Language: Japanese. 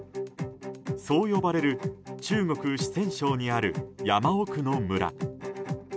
そう呼ばれる中国・四川省にある山奥の村。